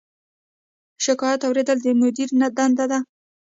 شکایت اوریدل د مدیر دنده ده